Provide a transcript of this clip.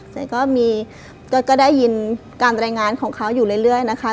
เจ๊ก็มีก็ได้ยินการรายงานของเขาอยู่เรื่อยนะคะ